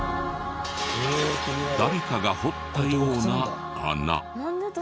誰かが掘ったような穴。